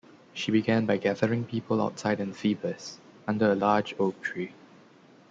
She began by gathering people outside in Phoebus, under a large oak tree.